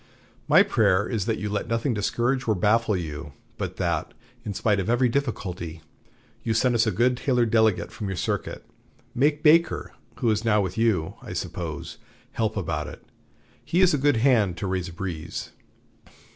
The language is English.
My prayer is that you let nothing discourage or baffle you, but that, in spite of every difficulty, you send us a good Taylor delegate from your circuit. Make Baker, who is now with you, I suppose, help about it. He is a good hand to raise a breeze."